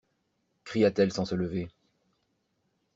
Cria-t-elle sans se lever.